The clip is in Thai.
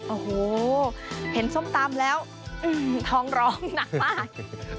โอ้โหเห็นส้มตำแล้วท้องร้องหนักมาก